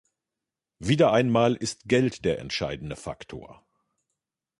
Wieder einmal ist Geld der entscheidende Faktor.